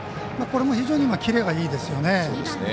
これも非常にキレがいいですよね。